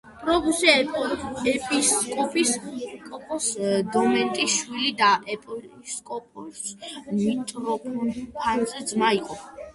პრობუსი ეპისკოპოს დომენტის შვილი და ეპისკოპოს მიტროფანეს ძმა იყო.